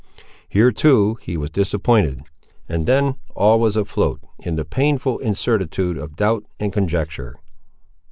Here, too, he was disappointed; and then all was afloat, in the painful incertitude of doubt and conjecture.